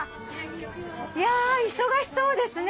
いや忙しそうですね